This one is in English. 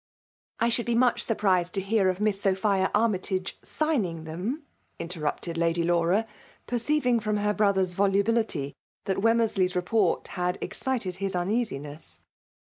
*' I should be much surprised to heair (^ Miis Sophia Armytagc signing them/' interrupted Lady Laura, perceiving from her brothers volubility that Wemmersley's report had ex cited his uneasiness.